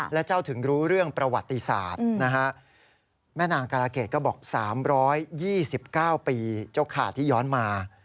และเจ้าถึงรู้เรื่องประวัติศาสตร์นะฮะแม่นางการาเกรดก็บอก๓๒๙ปีเจ้าขาดที่ย้อนมา